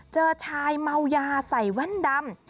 เจอชายเมายาใส่แว่นดำ